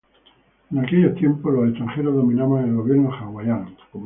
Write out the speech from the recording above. En aquellos tiempos, los extranjeros dominaban el gobierno hawaiano.